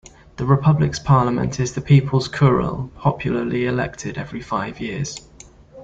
The Republic's parliament is the People's Khural, popularly elected every five years.